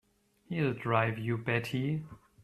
He'll drive you batty!